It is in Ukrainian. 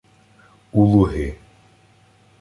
— У Луги.